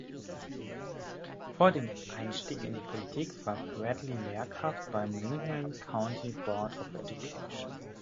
Vor dem Einstieg in die Politik war Bradley Lehrkraft beim Lincoln County Board of Education.